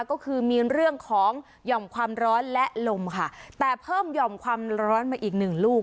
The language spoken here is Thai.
ก็คือมีเรื่องของหย่อมความร้อนและลมค่ะแต่เพิ่มหย่อมความร้อนมาอีกหนึ่งลูก